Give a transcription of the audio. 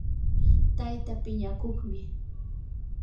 tayta piñakuqmi